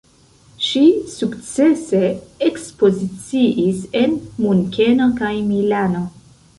Ŝi sukcese ekspoziciis en Munkeno kaj Milano.